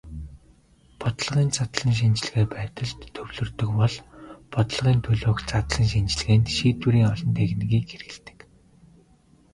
Бодлогын задлан шинжилгээ байдалд төвлөрдөг бол бодлогын төлөөх задлан шинжилгээнд шийдвэрийн олон техникийг хэрэглэдэг.